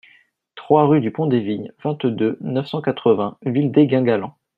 trois rue du Pont des Vignes, vingt-deux, neuf cent quatre-vingts, Vildé-Guingalan